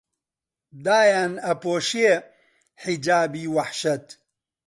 دایان ئەپۆشێ حیجابی وەحشەت